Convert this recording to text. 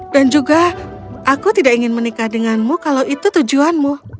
dan juga aku tidak ingin menikah denganmu kalau itu tujuanmu